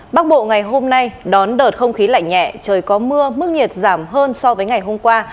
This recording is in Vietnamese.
bắc bộ ngày hôm nay đón đợt không khí lạnh nhẹ trời có mưa mức nhiệt giảm hơn so với ngày hôm qua